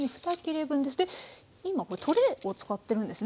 今トレイを使ってるんですね。